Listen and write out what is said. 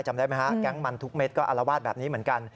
จำได้ไหมฮะแก๊งมันทุกเม็ดก็อารวาสแบบนี้เหมือนกัน